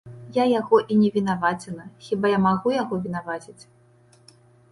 Я яго і не вінаваціла, хіба я магу яго вінаваціць?